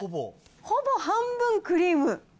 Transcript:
ほぼ半分クリーム。